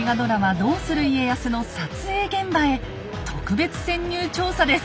「どうする家康」の撮影現場へ特別潜入調査です。